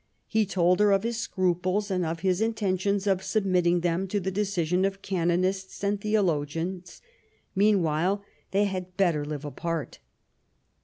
He told her of his scruples, and of his intentions of submitting them to the deci sion of canonists and theologians ; meanwhile they had better live apart.